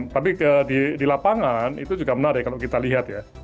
tapi di lapangan itu juga menarik kalau kita lihat ya